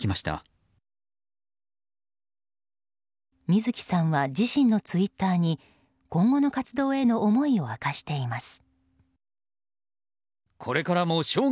水木さんは自身のツイッターに今後の活動への思いを明かしています。